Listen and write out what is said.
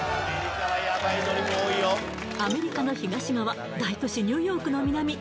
アメリカの東側、大都市のニューヨークの南